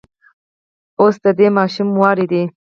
اوس د دې ماشومې وار دی.